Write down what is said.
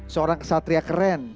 seorang ksatria keren